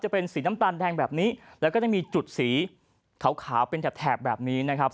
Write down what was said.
จะเป็นสีน้ำตาลแดงแบบนี้แล้วก็จะมีจุดสีขาวเป็นแถบแบบนี้นะครับ